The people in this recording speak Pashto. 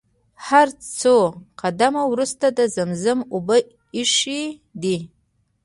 هر څو قدمه وروسته د زمزم اوبه ايښي دي.